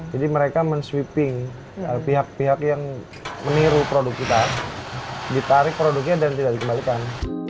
jadi mereka menswiping pihak pihak yang meniru produk kita ditarik produknya dan tidak dikembalikan